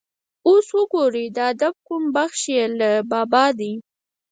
اوس وګورئ د ادب کوم بخش بې له بابا دی.